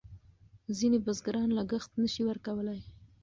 ځینې بزګران لګښت نه شي ورکولای.